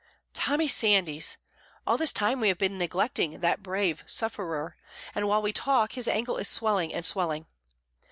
Tommy Sandys! All this time we have been neglecting that brave sufferer, and while we talk his ankle is swelling and swelling.